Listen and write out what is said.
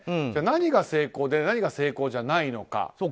何が成功で何が成功じゃないのか。